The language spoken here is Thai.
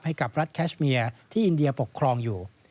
ให้กับรัฐแคชเมียที่อินเดียปกครองอยู่